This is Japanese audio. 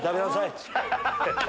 っつって。